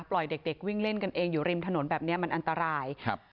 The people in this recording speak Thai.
ปล่อยเด็กวิ่งเล่นกันเองอยู่ริมถนนแบบนี้มันอันตราย